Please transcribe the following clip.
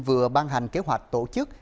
vừa ban hành kế hoạch tổ chức